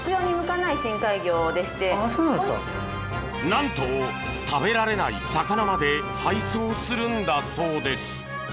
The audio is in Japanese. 何と、食べられない魚まで配送するんだそうです。